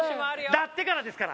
鳴ってからですから。